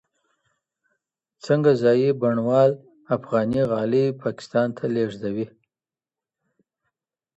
څنګه ځايي بڼوال افغاني غالۍ پاکستان ته لیږدوي؟